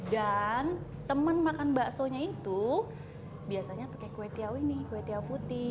dan teman makan bakso nya itu biasanya pakai kue tiaw ini kue tiaw putih